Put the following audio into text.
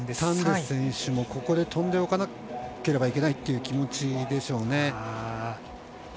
タンデ選手もここで飛んでおかなきゃいけないって気持ちでしょうね。